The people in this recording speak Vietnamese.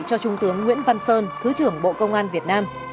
cho trung tướng nguyễn văn sơn thứ trưởng bộ công an việt nam